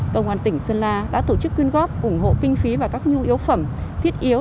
công an tỉnh sơn la đã tổ chức quyên góp ủng hộ kinh phí và các nhu yếu phẩm thiết yếu